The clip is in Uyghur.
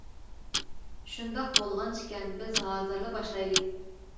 -شۇنداق بولغان ئىكەن، بىز ھازىرلا باشلايلى.